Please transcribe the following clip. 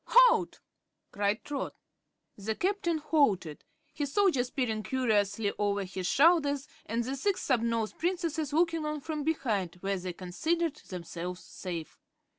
"Halt!" cried Trot. The Captain halted, his soldiers peering curiously over his shoulders and the Six Snubnosed Princesses looking on from behind, where they considered themselves safe.